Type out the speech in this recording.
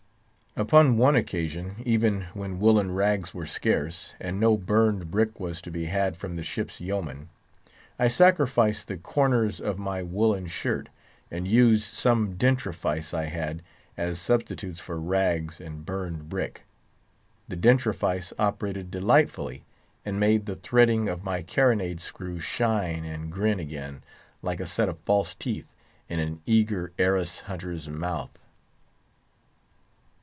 Upon one occasion, even, when woollen rags were scarce, and no burned brick was to be had from the ship's Yeoman, I sacrificed the corners of my woollen shirt, and used some dentrifice I had, as substitutes for the rags and burned brick. The dentrifice operated delightfully, and made the threading of my carronade screw shine and grin again, like a set of false teeth in an eager heiress hunter's mouth.